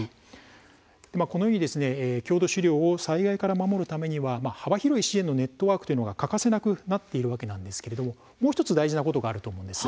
このように、郷土資料を災害から守るためには幅広い支援のネットワークが欠かせなくなっているわけですがもう１つ大事なことがあるんです。